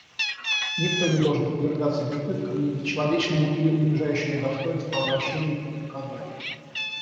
Никто не должен подвергаться ни пыткам, ни бесчеловечному или унижающему достоинство обращению или наказанию.